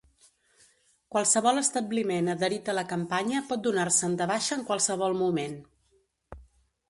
Qualsevol establiment adherit a la campanya pot donar-se'n de baixa en qualsevol moment.